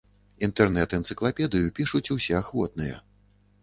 Інтэрнэт-энцыклапедыю пішуць усе ахвотныя.